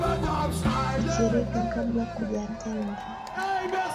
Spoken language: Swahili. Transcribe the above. Fikiriga kabla kujatenda.